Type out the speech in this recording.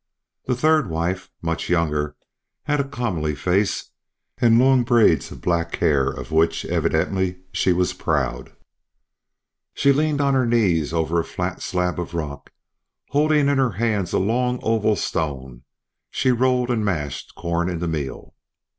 The third wife, much younger, had a comely face, and long braids of black hair, of which, evidently, she was proud. She leaned on her knees over a flat slab of rock, and holding in her hands a long oval stone, she rolled and mashed corn into meal.